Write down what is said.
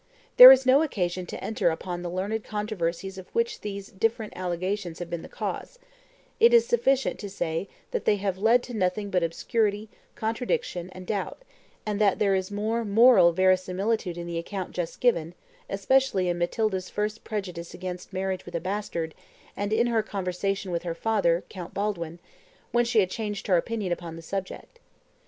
There is no occasion to enter upon the learned controversies of which these different allegations have been the cause; it is sufficient to say that they have led to nothing but obscurity, contradiction, and doubt, and that there is more moral verisimilitude in the account just given, especially in Matilda's first prejudice against marriage with a bastard, and in her conversation with her father, Count Baldwin, when she had changed her opinion upon the subject.